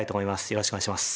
よろしくお願いします。